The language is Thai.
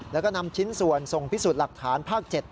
แล้วก็นำชิ้นส่วนส่งพิสูจน์หลักฐานภาค๗